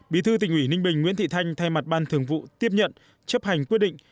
bí thư tỉnh ủy ninh bình nguyễn thị thanh thay mặt ban thường vụ tiếp nhận chấp hành quyết định